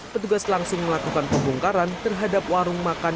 petugas langsung melakukan pembongkaran terhadap warung makan